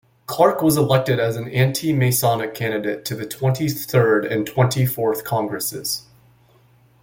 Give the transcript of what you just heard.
Clark was elected as an Anti-Masonic candidate to the Twenty-third and Twenty-fourth Congresses.